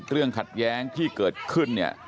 ขัดแย้งที่เกิดขึ้นเนี่ย